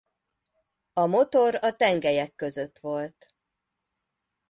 A motor a tengelyek között volt.